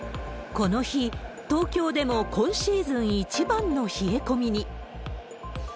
この日、東京でも今シーズン一番の冷え込みに。